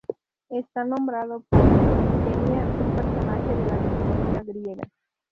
Está nombrado por Ifigenia, un personaje de la mitología griega.